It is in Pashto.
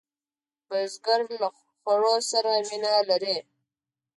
بزګر له خوړو سره مینه لري